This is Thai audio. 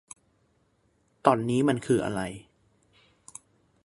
ตอนนี้มันคืออะไร